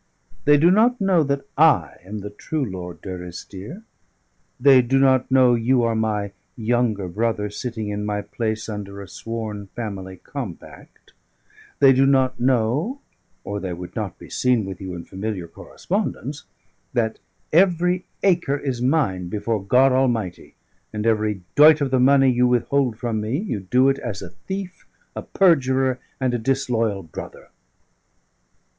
They do not know that I am the true Lord Durrisdeer; they do not know you are my younger brother, sitting in my place under a sworn family compact; they do not know (or they would not be seen with you in familiar correspondence) that every acre is mine before God Almighty and every doit of the money you withhold from me, you do it as a thief, a perjurer, and a disloyal brother!"